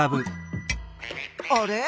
あれ？